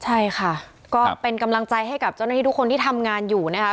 ใช่ค่ะก็เป็นกำลังใจให้กับเจ้าหน้าที่ทุกคนที่ทำงานอยู่นะคะ